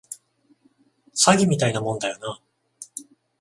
詐欺みたいなもんだよな